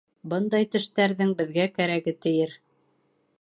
— Бындай тештәрҙең беҙгә кәрәге тейер.